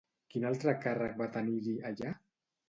Quin altre càrrec va tenir-hi, allà?